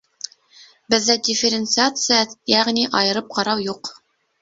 Беҙҙә дифференциация, йәғни айырып ҡарау, юҡ.